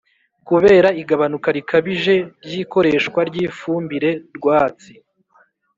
kubera igabanuka rikabije ry'ikoreshwa ry'ifumbire rwatsi